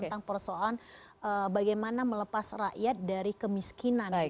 tentang persoalan bagaimana melepas rakyat dari kemiskinan